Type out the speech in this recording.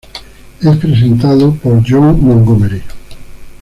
Es presentado por Jon Montgomery.